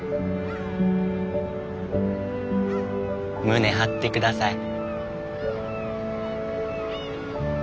胸張って下さい。